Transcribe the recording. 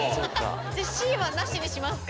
じゃあＣはなしにしますか？